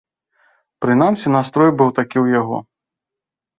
Прынамсі настрой быў такі ў яго.